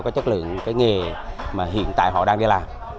cái chất lượng cái nghề mà hiện tại họ đang đi làm